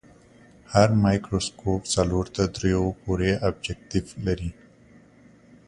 هر مایکروسکوپ څلور تر دریو پورې ابجکتیف لري.